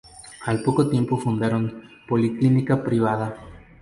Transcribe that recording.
Al poco tiempo fundaron Policlínica Privada".